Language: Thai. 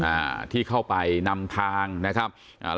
อ่าที่เข้าไปนำทางนะครับอ่า